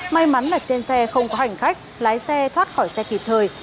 may mắn là trên xe không có hành khách lái xe thoát khỏi xe kịp thời